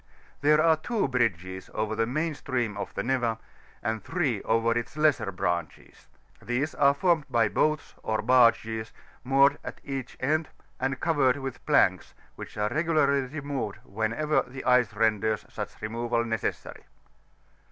There are two bridges over the main stream of the Neva, and three over its lesser branches; these are formed of boats, or baizes, moored at each end, and covered with planks, which are regularly removed whenever the ice renders such removal necessary